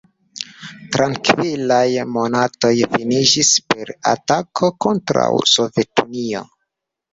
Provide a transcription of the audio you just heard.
Trankvilaj monatoj finiĝis per atako kontraŭ Sovetunio.